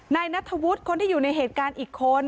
นายนัทธวุฒิคนที่อยู่ในเหตุการณ์อีกคน